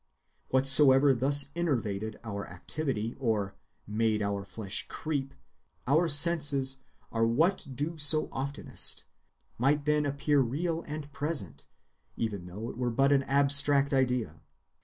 Whatsoever thus innervated our activity, or "made our flesh creep,"—our senses are what do so oftenest,—might then appear real and present, even though it were but an abstract idea.